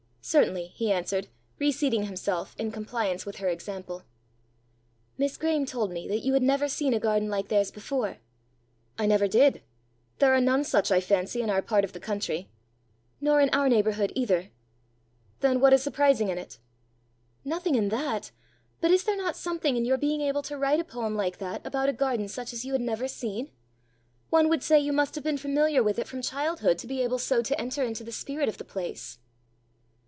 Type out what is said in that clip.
"Certainly," he answered, reseating himself, in compliance with her example. "Miss Graeme told me that you had never seen a garden like theirs before!" "I never did. There are none such, I fancy, in our part of the country." "Nor in our neighbourhood either." "Then what is surprising in it?" "Nothing in that. But is there not something in your being able to write a poem like that about a garden such as you had never seen? One would say you must have been familiar with it from childhood to be able so to enter into the spirit of the place!"